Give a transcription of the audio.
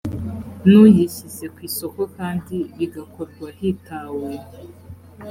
n uyishyize ku isoko kandi bigakorwa hitawe